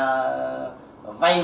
nội bộ của bọn anh